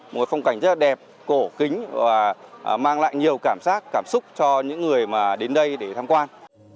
một phong cảnh rất là đẹp cổ kính và mang lại nhiều cảm giác cảm xúc cho những người mà đến đây để tham quan